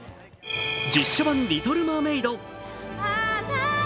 実写版「リトル・マーメイド」